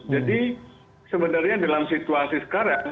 jadi sebenarnya dalam situasi sekarang